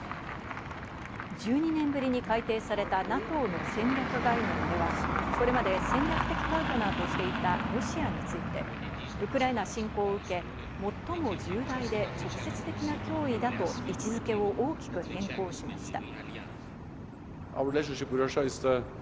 １２年ぶりに改訂されたＮＡＴＯの戦略概念ではこれまで戦略的パートナーとしていたロシアについて、ウクライナ侵攻を受け、最も重大で直接的な脅威だと位置付けを大きく変更しました。